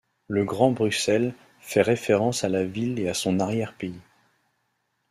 Le Grand Bruxelles fait référence à la ville et son arrière-pays.